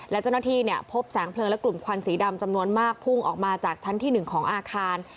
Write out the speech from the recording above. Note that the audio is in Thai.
และเจ้าหน้าที่พบแสงเพลิงและกลุ่มควันสีดำจำนวนมากพุ่งออกมาจากชั้นที่๑ของอาคาร